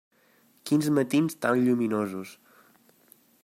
Quins matins tan lluminosos.